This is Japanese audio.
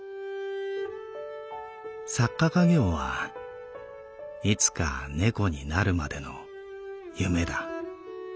作家稼業はいつか猫になるまでの夢だ。